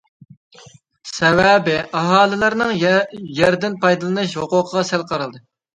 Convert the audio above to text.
سەۋەبى، ئاھالىلەرنىڭ يەردىن پايدىلىنىش ھوقۇقىغا سەل قارالدى.